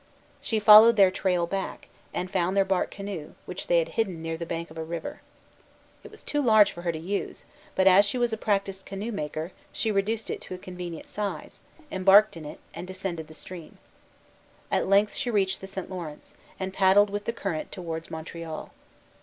She followed their trail back, and found their bark canoe, which they had hidden near the bank of a river. It was too large for her use; but, as she was a practised canoe maker, she reduced it to a convenient size, embarked in it, and descended the stream. At length she reached the St. Lawrence, and paddled with the current towards Montreal.